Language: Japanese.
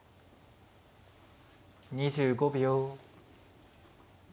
２５秒。